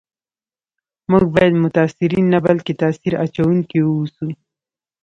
موږ باید متاثرین نه بلکي تاثیر اچونکي و اوسو